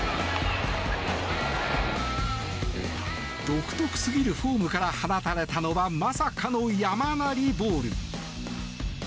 独特すぎるフォームから放たれたのはまさかの山なりボール。